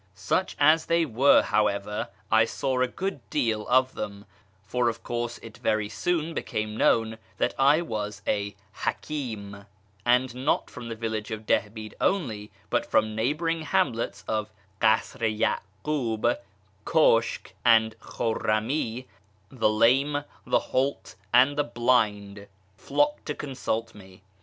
Such as they were, however, I saw a good deal of them; for of course it very soon became known that I was a " haJdni ;" and not from the village of Dihbid only, but from the neighbouring hamlets of Kasr i Ya'kub, Kushk, and Khurrami, the lame, the halt, and the blind flocked to consult me.